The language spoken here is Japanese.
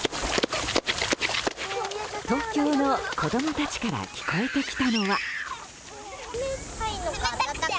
東京の子供たちから聞こえてきたのは。